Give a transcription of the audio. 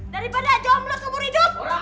daripada jomblo kebur hidup